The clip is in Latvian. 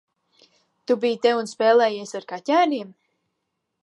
Tu biji te un spēlējies ar kaķēniem?